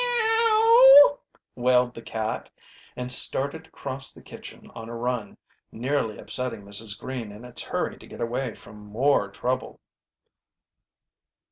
"Me ow!" wailed the cat, and started across the kitchen on a run, nearly upsetting Mrs. Green in its hurry to get away from more trouble.